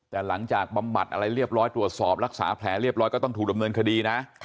แต่หลังจากบำบัดอะไรเรียบร้อยตรวจสอบรักษาแผลเรียบร้อยก็ต้องถูกดำเนินคดีนะ